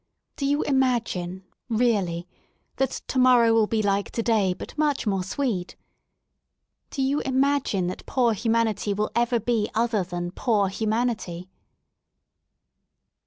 Do you ima gine, really, that * To morrow will be like to day but much more sweet? ' Do you imagine that poor human ity will ever be other than poor humanity?''